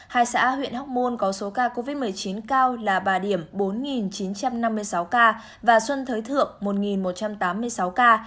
hai xã huyện hóc môn có số ca covid một mươi chín cao là bà điểm bốn chín trăm năm mươi sáu ca và xuân thới thượng một một trăm tám mươi sáu ca